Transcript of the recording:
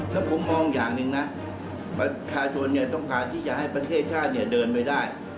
แล้วผมมองอย่างหนึ่งนะประชาชนต้องการที่จะให้ประเทศชาติเดินไปได้